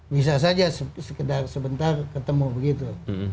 bisa saja sekedar sebentar ketemu begitu